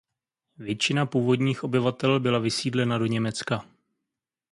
Většina původních obyvatel byla vysídlena do Německa.